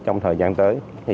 trong thời gian tới